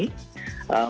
mereka bisa perbaiki